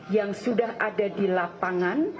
yang sudah ada di lapangan